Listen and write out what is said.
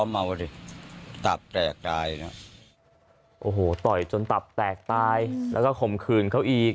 เมาดิตับแตกตายนะโอ้โหต่อยจนตับแตกตายแล้วก็ข่มขืนเขาอีก